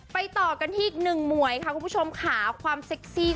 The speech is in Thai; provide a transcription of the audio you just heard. ต่อกันที่อีกหนึ่งหมวยค่ะคุณผู้ชมค่ะความเซ็กซี่